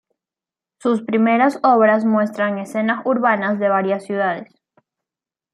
Sus primeras obras muestran escenas urbanas de varias ciudades.